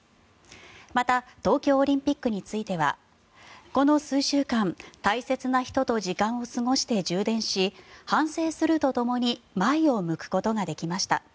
また東京オリンピックについてはこの数週間、大切な人と時間を過ごして充電し反省するとともに前を向くことができました。